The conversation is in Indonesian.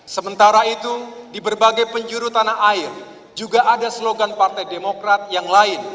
sementara itu di berbagai penjuru tanah air juga ada slogan partai demokrat yang lain